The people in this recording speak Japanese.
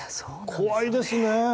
怖いですね。